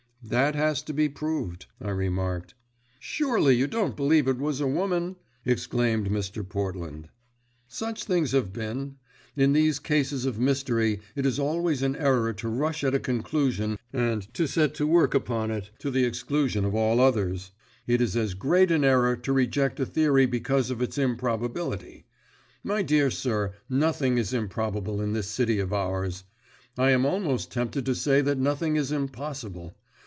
"That has to be proved," I remarked. "Surely you don't believe it was a woman?" exclaimed Mr. Portland. "Such things have been. In these cases of mystery it is always an error to rush at a conclusion and to set to work upon it, to the exclusion of all others. It is as great an error to reject a theory because of its improbability. My dear sir, nothing is improbable in this city of ours; I am almost tempted to say that nothing is impossible.